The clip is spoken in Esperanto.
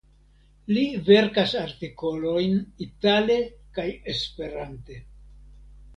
Li verkas artikolojn itale kaj Esperante.